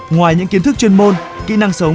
ngoài những kiến thức chuyên môn kỹ năng sống